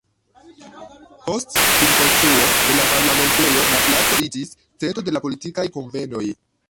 Post finkonstruo de la Parlamentejo la placo iĝis centro de politikaj kunvenoj.